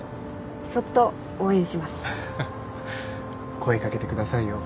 声掛けてくださいよ。